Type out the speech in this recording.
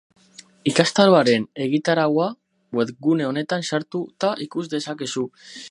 Ikastaroaren egitaraua webgune honetan sartuta ikus dezakezu.